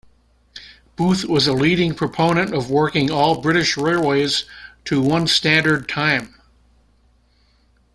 Booth was a leading proponent of working all British railways to one standard time.